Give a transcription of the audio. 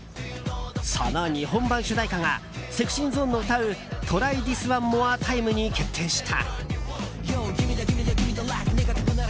その日本版主題歌がＳｅｘｙＺｏｎｅの歌う「ＴｒｙＴｈｉｓＯｎｅＭｏｒｅＴｉｍｅ」に決定した。